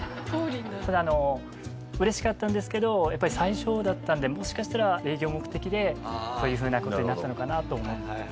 ただ嬉しかったんですけどやっぱり最初だったんでもしかしたら営業目的でそういうふうな事になったのかなと思ってしまいました。